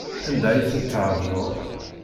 Anda ay tent-tɛebdeḍ?